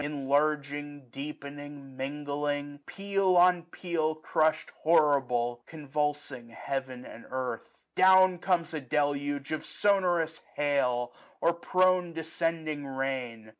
Enlarging, deepening, mingling ; peal on peal Crushed horrible, convulsing heaven and earth. Down comes a deluge of sonorous hail, Or prone descending rain.